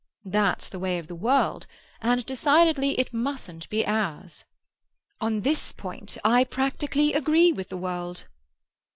That's the way of the world, and decidedly it mustn't be ours." "On this point I practically agree with the world."